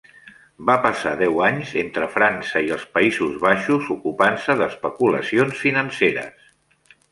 Va passar deu anys entre França i els Països Baixos ocupant-se d'especulacions financeres.